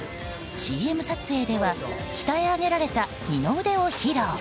ＣＭ撮影では鍛え上げられた二の腕を披露。